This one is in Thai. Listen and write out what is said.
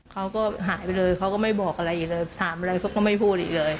เขาก็หายไปเลยเขาก็ไม่บอกอะไรอีกเลยถามอะไรเขาก็ไม่พูดอีกเลย